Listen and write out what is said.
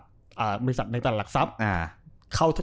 ในตลาดหลักทรัพย์เขาจะ